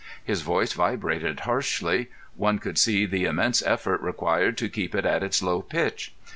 His voice vibrated harshly; one could see the immense effort required to keep it at its low pitch.